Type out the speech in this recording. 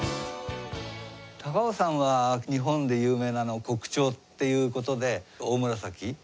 高尾山は日本で有名な国蝶っていうことでオオムラサキ。